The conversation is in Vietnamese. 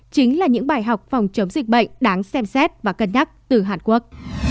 chính là những bài học phòng chống dịch bệnh đáng xem xét và cân nhắc từ hàn quốc